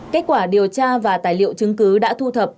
kết quả điều tra và tài liệu chứng cứ đã thu thập